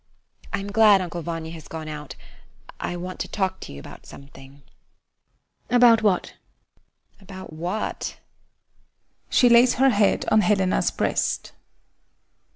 I am glad Uncle Vanya has gone out, I want to talk to you about something. HELENA. About what? SONIA. About what? [She lays her head on HELENA'S breast.